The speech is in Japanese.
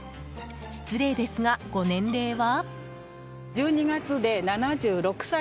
失礼ですが、ご年齢は？